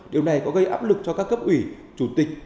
điều này có gây áp lực cho các cấp ủy chủ tịch